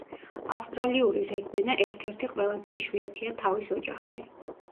ავსტრალიური რეგვენა ერთ-ერთი ყველაზე იშვიათია თავის ოჯახში.